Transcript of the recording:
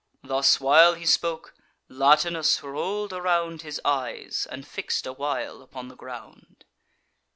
Thus while he spoke, Latinus roll'd around His eyes, and fix'd a while upon the ground.